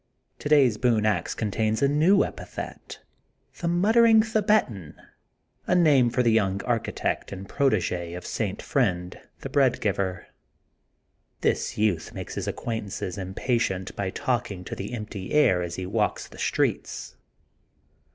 To day's Boone Ax contains a new epithet: The Muttering Thibetan, '^ a name for the young architect and protege of St. Friend, the Bread Giver. This youth makes his acquaint ances impatient by talking to the empty air as lie walks the streets.